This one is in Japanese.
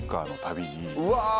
うわ！